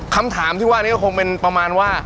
คำถามที่ว่านี้ก็คงเป็นประมาณว่า